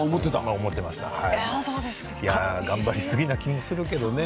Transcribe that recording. いや、頑張りすぎな気もするけどね。